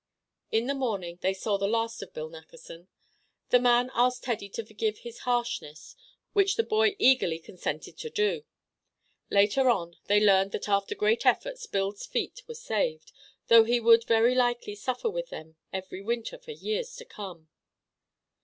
In the morning they saw the last of Bill Nackerson. The man asked Teddy to forgive his harshness, which the boy eagerly consented to do. Later on they learned that after great efforts Bill's feet were saved, though he would very likely suffer with them every winter for years to come.